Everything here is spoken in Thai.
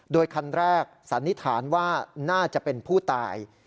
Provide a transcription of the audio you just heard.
โดยคันแรกสันนิษฐานว่าน่าจะเป็นผู้ตาย